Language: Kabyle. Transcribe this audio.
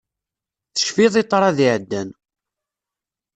Tecfiḍ i ṭṭrad iɛeddan.